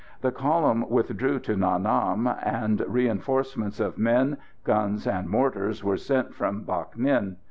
The column withdrew to Nha Nam, and reinforcements of men, guns and mortars were sent from Bac Ninh.